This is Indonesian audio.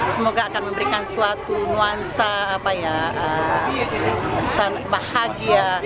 semoga akan memberikan suatu nuansa bahagia